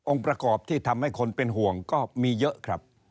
ประกอบที่ทำให้คนเป็นห่วงก็มีเยอะครับ